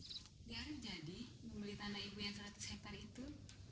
dia harus jadi membeli tanah ibu yang seratus hektare itu